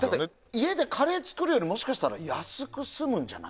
家でカレー作るよりもしかしたら安く済むんじゃない？